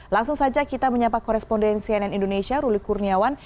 langsung saja kita menyapa koresponden cnn indonesia ruli kurniawan